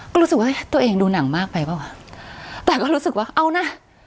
ก็รู้สึกว่าตัวเองดูหนังมากไปเปล่าวะแต่ก็รู้สึกว่าเอานะ